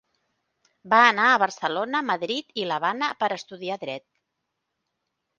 Va anar a Barcelona, Madrid i l'Havana per a estudiar dret.